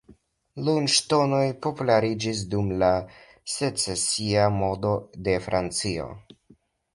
Lunŝtonoj populariĝis dum la Secesia modo de Francio.